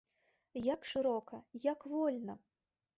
Як шырока, як вольна!